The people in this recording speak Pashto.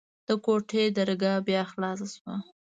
د کوټې درګاه بيا خلاصه سوه.